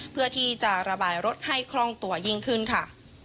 เพื่อที่จะระบายรถให้คล่องตัวยิ่งขึ้นค่ะ